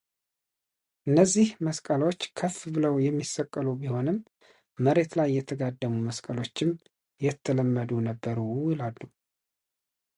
ነዚህ መስቀሎች ከፍ ብለው የሚሰቀሉ ቢሆንም መሬት ላይ የተጋደሙ መስቀሎችም የተለመዱ ነበሩ ይላሉ።